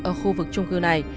ở khu vực trung cư này